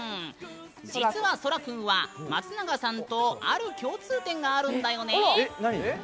実は、天君は、松永さんとある共通点があるんだよね。